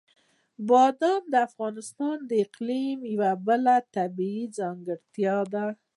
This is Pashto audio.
بادام د افغانستان د اقلیم یوه بله طبیعي ځانګړتیا ده.